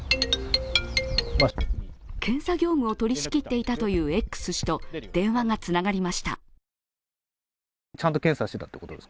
検査業務を取り仕切っていたというＸ氏と電話がつながりました。